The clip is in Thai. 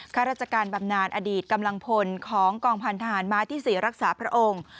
ข้าราชการบำนานอดีตกำลังพลของกองพันธหารม้าที่๔รักษาพระองค์